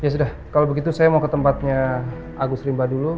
ya sudah kalau begitu saya mau ke tempatnya agus rimba dulu